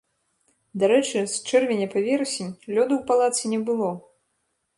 Дарэчы, з чэрвеня па верасень лёду у палацы не было.